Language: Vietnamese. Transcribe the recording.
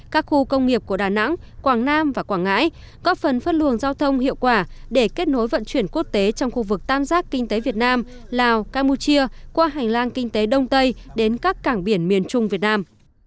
các khu công nghiệp của đà nẵng quảng nam và quảng ngãi góp phần phân luồng giao thông hiệu quả để kết nối vận chuyển quốc tế trong khu vực tam giác kinh tế việt nam lào campuchia qua hành lang kinh tế đông tây đến các cảng biển miền trung việt nam